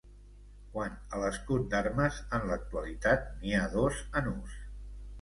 Quant a l'escut d'armes, en l'actualitat n'hi ha dos en ús.